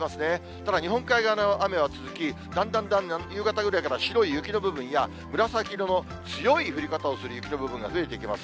ただ、日本海側の雨は続き、だんだんだんだん夕方ぐらいから白い雪の部分や、紫色の強い降り方をする雪の部分が増えていきます。